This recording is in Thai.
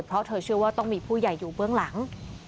เพราะเธอเชื่อว่าต้องมีผู้ใหญ่อยู่เบื้องหลัง